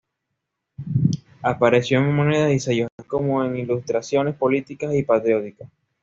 Apareció en monedas y sellos, así como en ilustraciones políticas y patrióticas.